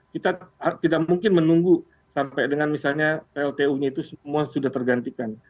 kita tidak mungkin menunggu sampai dengan misalnya pltu nya itu semua sudah tergantikan